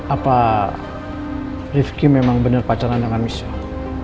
apa rifqi memang benar pacaran dengan misyah